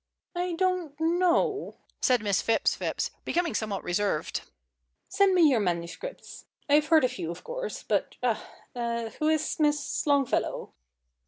"I don't know," said Miss Phipps Phipps, becoming somewhat reserved. "Send me your manuscripts. I have heard of you, of course but ah who is Miss Longfellow?"